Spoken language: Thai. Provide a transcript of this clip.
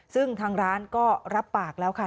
ซึ่งทางร้านก็รับปากแล้วค่ะ